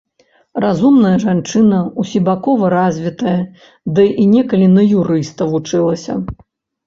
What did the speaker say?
Разумная жанчына, усебакова развітая, ды і некалі на юрыста вучылася.